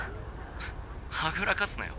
フッはぐらかすなよ。